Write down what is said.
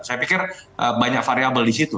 saya pikir banyak variable di situ